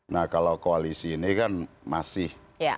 nah kalau koalisi ini kan masih